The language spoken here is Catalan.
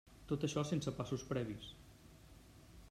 Tot això sense passos previs.